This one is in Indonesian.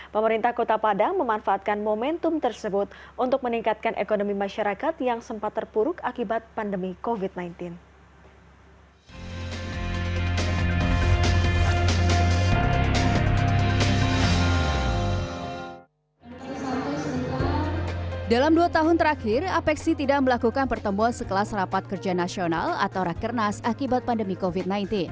pemerintah kota padang memanfaatkan momentum tersebut untuk meningkatkan ekonomi masyarakat yang sempat terpuruk akibat pandemi covid sembilan belas